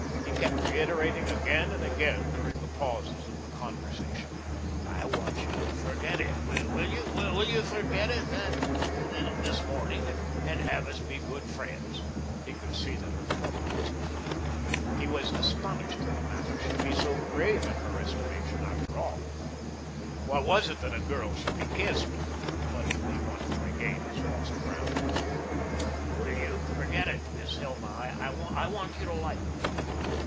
He kept reiterating again and again during the pauses of the conversation: "I want you to forget it. Will you? Will you forget it that this morning, and have us be good friends?" He could see that her trouble was keen. He was astonished that the matter should be so grave in her estimation. After all, what was it that a girl should be kissed? But he wanted to regain his lost ground. "Will you forget it, Miss Hilma? I want you to like me."